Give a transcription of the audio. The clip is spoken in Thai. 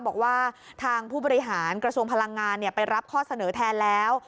บอกว่าทางผู้บริหารกระทรวงพลังงานไปรับข้อเสนอแทนแล้ว